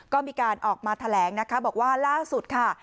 ก็มีการออกมาแถลงนะคะบอกว่าล่าสุดค่ะ